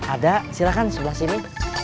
ada silakan sebelah sini